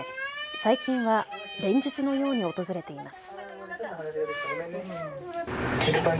最近は連日のように訪れています。